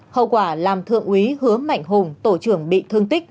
hậu quả làm thượng quý hứa mạnh hùng tổ trưởng bị thương tích một mươi chín